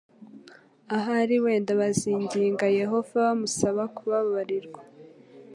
Ahari wenda bazinginga Yehova bamusaba kuba barirwa